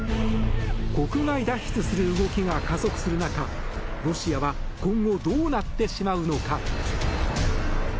国外脱出する動きが加速する中ロシアは今後どうなってしまうのか。